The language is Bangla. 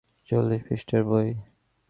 চল্লিশ পৃষ্ঠার বই।